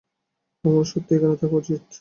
আমার সত্যিই এখানে থাকা উচিত।